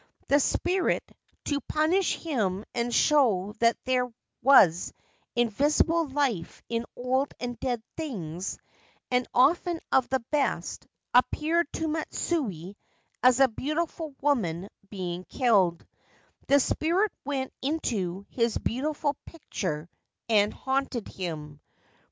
The spirit, to punish him and show that there was invisible life in old and dead things and often of the best, appeared to Matsui as a beautiful woman being killed ; the spirit went into his beautiful picture and haunted him.